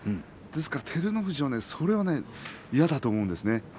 ですから照ノ富士は、それは嫌だと思うんですね。